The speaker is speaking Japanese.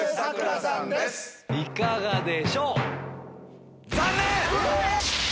いかがでしょう？